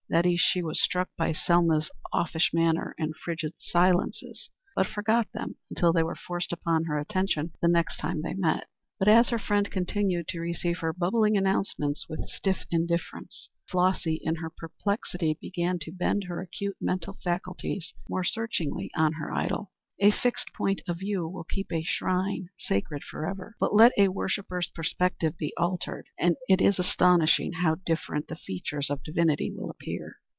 That is, she was struck by Selma's offish manner and frigid silences, but forgot them until they were forced upon her attention the next time they met. But as her friend continued to receive her bubbling announcements with stiff indifference, Flossy, in her perplexity, began to bend her acute mental faculties more searchingly on her idol. A fixed point of view will keep a shrine sacred forever, but let a worshipper's perspective be altered, and it is astonishing how different the features of divinity will appear.